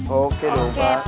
oke dong pak